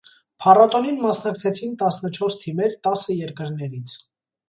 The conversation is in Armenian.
Փառատոնին մասնակցեցին տասնչորս թիմեր տասը երկրներից։